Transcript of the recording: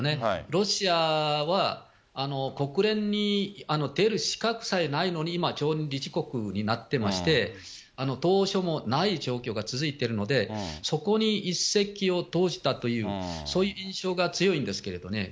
ロシアは国連に出る資格さえないのに、今、常任理事国になってまして、どうしようもない状況が続いてるので、そこに一石を投じたという、そういう印象が強いんですけれどね。